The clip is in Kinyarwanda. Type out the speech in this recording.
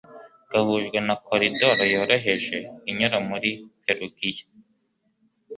gahujwe na koridoro yoroheje inyura muri Perugiya .